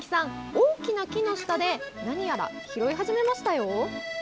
大きな木の下で何やら拾い始めましたよ。